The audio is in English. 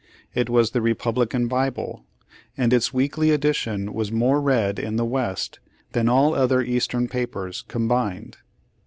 It was the Repub lican Bible, and its weekly edition was more read in the West than all other Eastern papers combined."